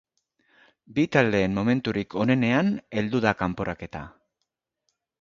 Bi taldeen momenturik onenean heldu da kanporaketa.